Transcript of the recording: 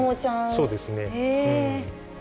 そうですね。